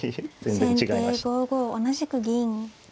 先手５五同じく銀。